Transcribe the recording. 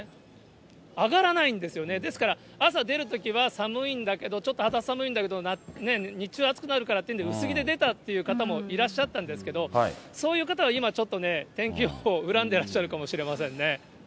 上がらないんですよね、ですから、朝出るときは寒いんだけど、ちょっと肌寒いんだけど、日中暑くなるからっていうんで、薄着で出たって方もいらっしゃったんですけども、そういう方は今、ちょっとね、天気予報、恨んでいらっしゃるかもしれませんね。